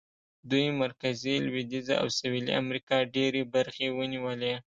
دوی مرکزي، لوېدیځه او سوېلي امریکا ډېرې برخې ونیولې.